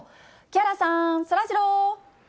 木原さん、そらジロー。